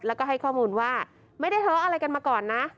แล้วก็ให้ข้อมูลว่าไม่ได้ทะเลาะอะไรกันมาก่อนนะ